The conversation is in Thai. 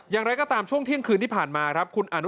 อย่างไรก็ตามช่วงเที่ยงคืนที่ผ่านมา